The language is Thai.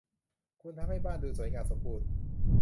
คุณทำให้บ้านดูสวยงามสมบูรณ์